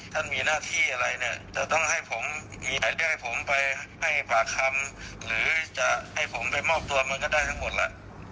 จะให้ผมไปมอบตัวมันก็ได้ทั้งหมดแล้ว